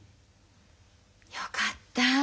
よかった。